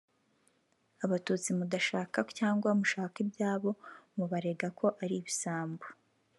Abatutsi mudashaka cyangwa mushaka ibyabo mubarega ko ari ibisambo